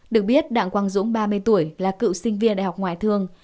được biết đặng quang dũng ba mươi tuổi là cựu sinh viên đại học ngoại thương